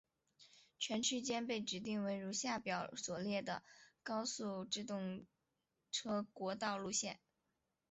全区间被指定为如下表所列的高速自动车国道路线。